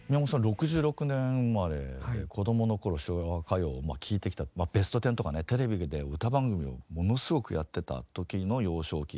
６６年生まれで子どもの頃昭和歌謡を聴いてきた「ベストテン」とかねテレビで歌番組をものすごくやってた時の幼少期ですから。